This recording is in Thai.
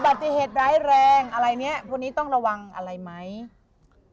ปฏิเหตุร้ายแรงอะไรเนี้ยพวกนี้ต้องระวังอะไรไหม